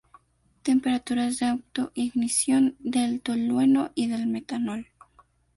Temperaturas de autoignición del tolueno y del metanol